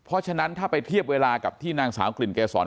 เพราะฉะนั้นถ้าไปเทียบเวลากับที่นางสาวกลิ่นเกษร